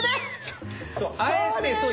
そう。